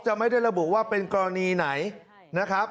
ไม่ได้ระบุว่าเป็นกรณีไหนนะครับ